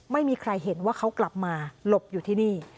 ไม่มีใครเห็นว่าเขากลับมาหลบอยู่ที่นี่